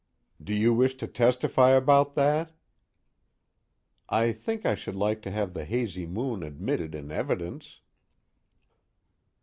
_ DO YOU WISH TO TESTIFY ABOUT THAT? _I think I should like to have the hazy moon admitted in evidence.